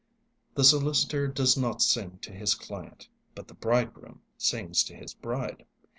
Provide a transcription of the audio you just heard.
The solicitor does not sing to his client, but the bridegroom sings to his bride.